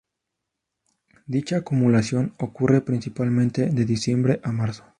Dicha acumulación ocurre principalmente de diciembre a marzo.